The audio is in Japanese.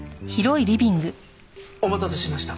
お待たせしました。